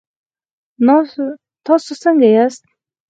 تاسو څنګ ياست؟